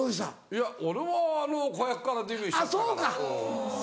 いや俺は子役からデビューしちゃったから。